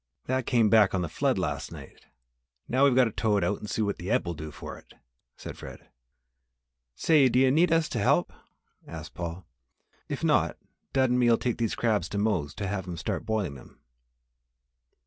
"That came back on the flood last night! Now we've got to tow it out and see what the ebb will do for it," said Fred. "Say, d'ye need us to help?" asked Paul. "If not, Dud and me'll take these crabs to Mose to have him start boiling them."